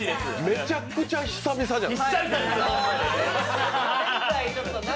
めちゃくちゃ久々じゃない？